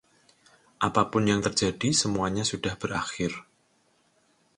Apapun yang terjadi, semuanya sudah berakhir.